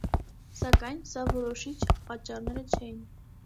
Սակայն, սա որոշիչ պատճառները չէին։